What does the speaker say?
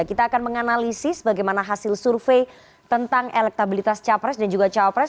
kita akan menganalisis bagaimana hasil survei tentang elektabilitas capres dan juga cawapres